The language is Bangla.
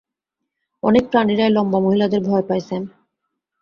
অনেক প্রাণীরাই লম্বা মহিলাদের ভয় পায়, স্যাম।